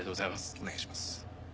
お願いします。